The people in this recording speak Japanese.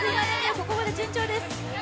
ここまで順調です。